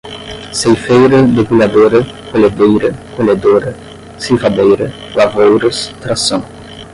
ceifeira debulhadora, colhedeira, colhedora, ceifadeira, lavouras, tração